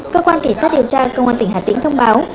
cơ quan kỳ sát điều tra công an tỉnh hà tĩnh thông báo